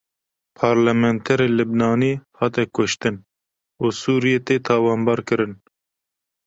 Perlemanterê Libnanî hate kuştin û Sûriyê tê tawanbar kirin